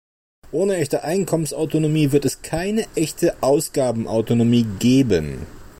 Ohne echte Einkommensautonomie wird es keine echte Ausgabenautonomie geben.